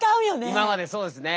今までそうですね。